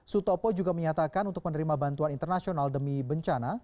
sutopo juga menyatakan untuk menerima bantuan internasional demi bencana